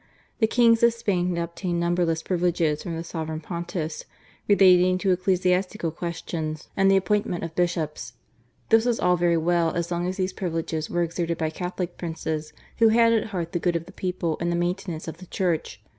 The Kings of Spain had obtained numberless privileges from the Sovereign Pontiffs relating to ecclesiastical questions and the appoint ment of Bishops. This was all very well as long as these privileges were exerted by Catholic princes who had at heart the good of the people and the maintenance of the Church.